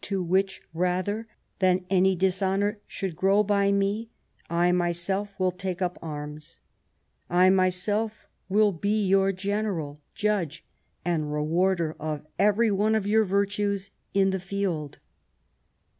To which rather than any dishonour should grow by me, I myself will take up arms; I myself will be your general, judge and re warder of every one of your virtues in the field."